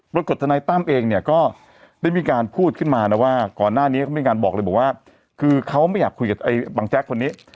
ทนายตั้มเองเนี่ยก็ได้มีการพูดขึ้นมานะว่าก่อนหน้านี้เขามีการบอกเลยบอกว่าคือเขาไม่อยากคุยกับไอ้บังแจ๊กคนนี้